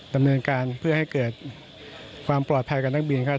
ดำเนินการเพื่อให้เกิดความปลอดภัยกับนักบินครับ